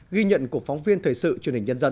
ghi nhận của phóng viên thời sự truyền hình nhân dân